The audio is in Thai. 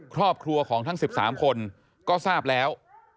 ครอบครัวของทั้ง๑๓คนก็ทราบแล้ว